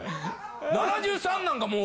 ７３なんかもう。